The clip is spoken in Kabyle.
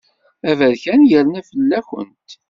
Aberkan yerna fell-awent.